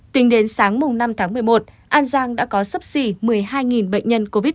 tính đến sáng năm tháng một mươi một an giang đã có sấp xỉ một mươi hai bệnh nhân covid một mươi chín